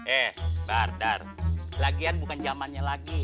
eh bardar lagian bukan zamannya lagi